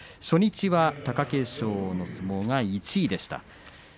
初日は貴景勝の相撲が１位でした。